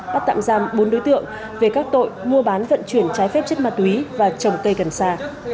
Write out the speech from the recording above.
bắt tạm giam bốn đối tượng về các tội mua bán vận chuyển trái phép chất ma túy và trồng cây gần xa